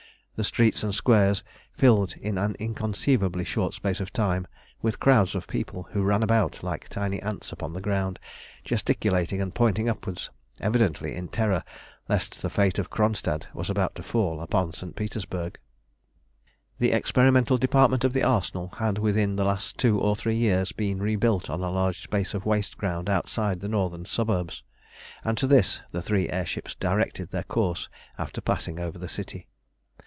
The streets and squares filled in an inconceivably short space of time with crowds of people, who ran about like tiny ants upon the ground, gesticulating and pointing upwards, evidently in terror lest the fate of Kronstadt was about to fall upon St. Petersburg. The experimental department of the Arsenal had within the last two or three years been rebuilt on a large space of waste ground outside the northern suburbs, and to this the three air ships directed their course after passing over the city.